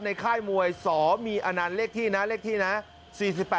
ในค่ายมวยสมีอนันทร์เรียกที่นะเรียกที่นะ